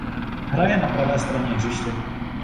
Hraje na pravé straně hřiště.